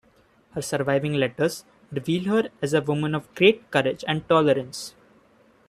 Her surviving letters reveal her as a woman of great courage and tolerance.